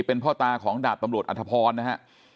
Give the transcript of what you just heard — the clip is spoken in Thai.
เป็นพ่อตาของดาบตำรวจอัธพรนะฮะ